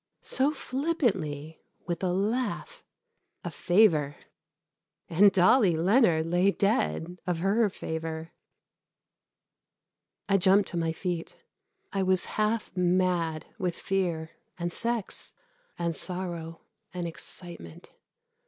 So flippantly with a laugh. "A favor!" And Dolly Leonard lay dead of her favor! I jumped to my feet I was half mad with fear and sex and sorrow and excitement.